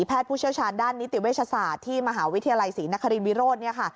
แพทย์ผู้เชี่ยวชาญด้านนิติเวชศาสตร์ที่มหาวิทยาลัยศรีนครีนวิโรน